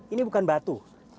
ini bukan batu